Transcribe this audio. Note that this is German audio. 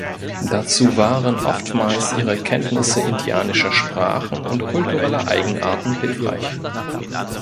Dazu waren oftmals ihre Kenntnisse indianischer Sprachen und kultureller Eigenarten hilfreich.